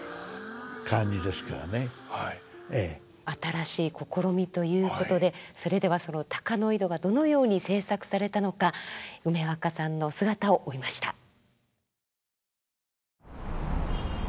新しい試みということでそれではその「鷹の井戸」がどのように制作されたのか梅若さんの姿を追いました。